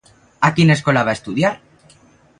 A quina escola va estudiar?